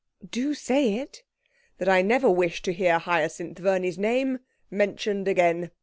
'Do say it.' 'That I never wish to hear Hyacinth Verney's name mentioned again.